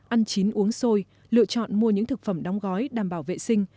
ăn chín uống sôi lựa chọn mua những thực phẩm đóng gói đảm bảo vệ sinh